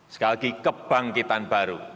sekali lagi kebangkitan baru